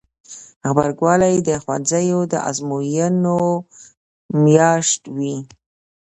غبرګولی د ښوونځیو د ازموینو میاشت وي.